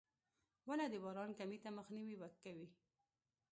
• ونه د باران کمي ته مخنیوی کوي.